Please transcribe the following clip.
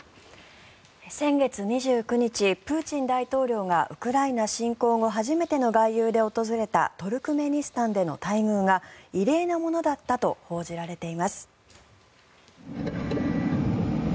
先月２９日プーチン大統領がウクライナ侵攻後初めての外遊で訪れたトルクメニスタンでの待遇が異例なものだったと報じられています。